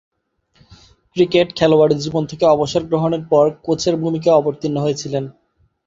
Cricket খেলোয়াড়ী জীবন থেকে অবসর গ্রহণের পর কোচের ভূমিকায় অবতীর্ণ হয়েছিলেন।